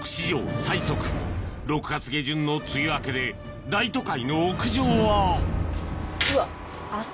６月下旬の梅雨明けで大都会の屋上はうわ。